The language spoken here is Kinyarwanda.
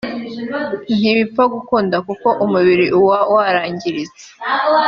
ntibipfa gukunda kuko umubiri uwa warangiritse bikomeye